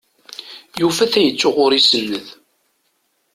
Yufa tayet uɣur isenned.